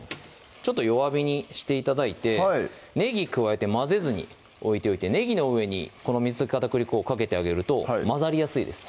ちょっと弱火にして頂いてはいねぎ加えて混ぜずに置いておいてねぎの上にこの水溶き片栗粉をかけてあげると混ざりやすいです